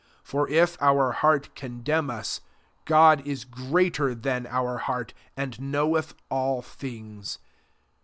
20 For if our heart condemn us, God is greater than our heart, and knoweth ail things.